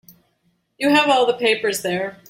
You have all the papers there.